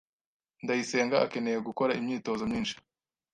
Ndayisenga akeneye gukora imyitozo myinshi.